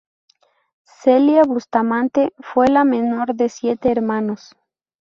Celia Bustamante fue la menor de siete hermanos.